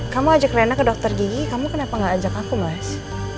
kamu ajak lena ke dokter gigi kamu kenapa gak ajak aku mas